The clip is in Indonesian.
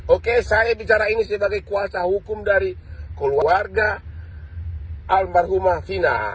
oke saya bicara ini sebagai kuasa hukum dari keluarga almarhumah fina